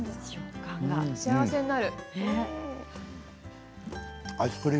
幸せになる。